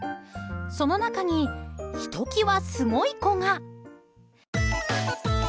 その中にひと際、すごい子が。